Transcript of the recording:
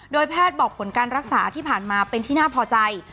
แพทย์บอกผลการรักษาที่ผ่านมาเป็นที่น่าพอใจ